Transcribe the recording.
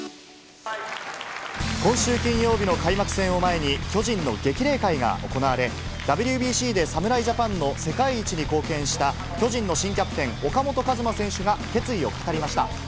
今週金曜日の開幕戦を前に、巨人の激励会が行われ、ＷＢＣで侍ジャパンの世界一に貢献した、巨人の新キャプテン、岡本和真選手が決意を語りました。